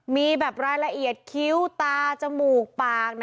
มีแบบรายละเอียดคิ้วตาจมูกปาก